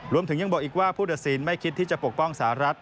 รวมถึงยังบอกอีกว่าผู้ตัดสินไม่คิดที่จะปกป้องสหรัฐ